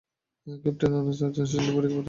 Captain আনান চারজন seal ডুবুরিকে পাঠিয়ে দেন।